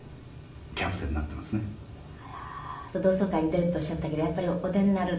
同窓会に出るっておっしゃったけどやっぱりお出になる。